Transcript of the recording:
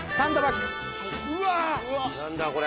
何だ？